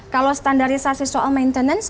kalau standarisasi soal maintenance